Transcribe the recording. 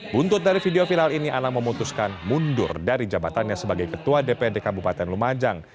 buntut dari video viral ini anang memutuskan mundur dari jabatannya sebagai ketua dpd kabupaten lumajang